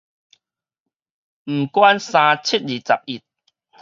毋管三七二十一